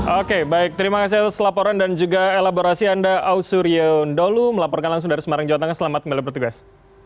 oke baik terima kasih atas laporan dan juga elaborasi anda ausurion dholu melaporkan langsung dari semarang jawa tengah selamat kembali bertugas